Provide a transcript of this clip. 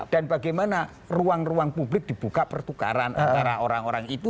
dan bagaimana ruang ruang publik dibuka pertukaran antara orang orang itu